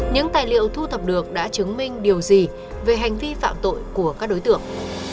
những tài liệu thu thập được đã chứng minh điều gì về hành vi phạm tội của các đối tượng